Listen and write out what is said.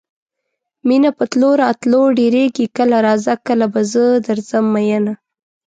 مینه په تلو راتلو ډیریږي کله راځه کله به زه درځم میینه